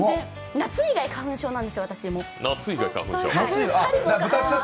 夏以外、花粉症なんですよ、私も。